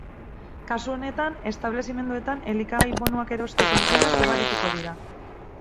Kasu honetan, establezimenduetan elikagai-bonuak erosteko egunak ugarituko dira.